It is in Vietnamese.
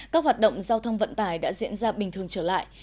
các hoạt động giao thông vận tải đã diễn ra bình thường trở lại